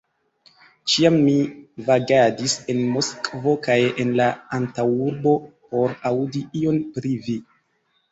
Ĉiam mi vagadis en Moskvo kaj en la antaŭurbo, por aŭdi ion pri vi!